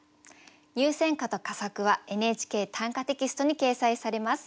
入選歌と佳作は「ＮＨＫ短歌」テキストに掲載されます。